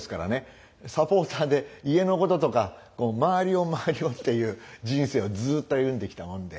サポーターで家のこととかこう「周りを周りを」っていう人生をずっと歩んできたもので。